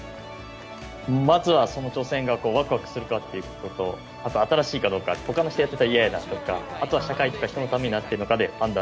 まずはその挑戦がワクワクするかということとあと新しいかどうか他の人がやっているのは嫌だなとか、社会とか人のためになっているのかなとか判断